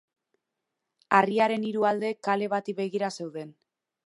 Harriaren hiru aldeek kale bati begira zeuden.